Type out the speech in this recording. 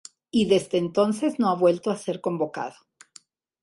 Y desde entonces no ha vuelto a ser convocado.